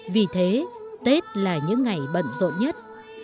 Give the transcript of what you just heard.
vì thế tết là những ngày bận rộn nhất